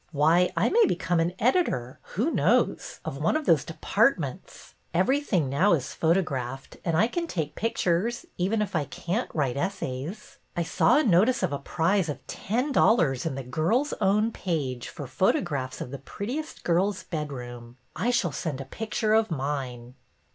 Why, I may become an editor — who knows ?— of one of those departments. Everything now is photographed, and I can take pictures, even if I can't write essays. I saw a notice of a prize of ten dollars in ^ The Girl's Own Page ' for photographs of the prettiest girl's bedroom. I shall send a picture of mine."